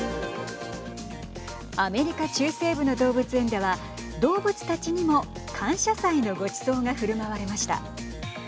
アメリカ中西部の動物園では動物たちにも感謝祭のごちそうがふるまわれました。